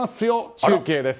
中継です。